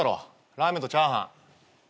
ラーメンとチャーハン。